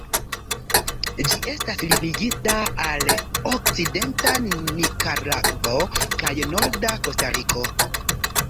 Ĝi estas limigita al okcidenta Nikaragvo kaj norda Kostariko.